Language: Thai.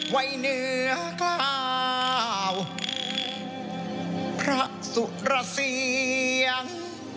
ไว้เหนือกล่าวพระสุรเสียง